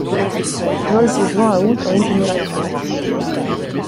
Vol de juin à août en une génération.